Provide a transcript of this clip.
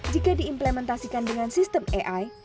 jika diimplementasikan dengan sistem ai